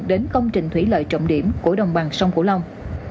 đến công trình thủy lợi trọng điểm của đồng bằng sông cổ lông